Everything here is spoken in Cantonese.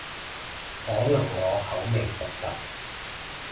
可能我口味獨特